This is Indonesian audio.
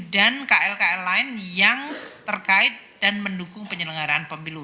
dan kl kl lain yang terkait dan mendukung penyelenggaraan pemilu